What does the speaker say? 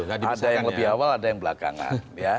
ada yang lebih awal ada yang belakangan